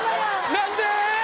何で？